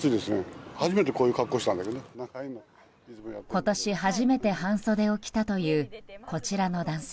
今年初めて半袖を着たというこちらの男性。